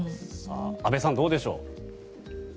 安部さん、どうでしょう。